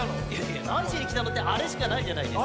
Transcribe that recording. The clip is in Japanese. なにしにきたのってあれしかないじゃないですか。